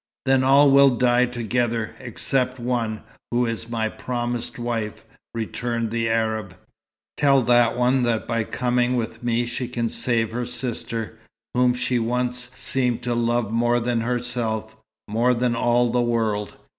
"Then all will die together, except one, who is my promised wife," returned the Arab. "Tell that one that by coming with me she can save her sister, whom she once seemed to love more than herself, more than all the world.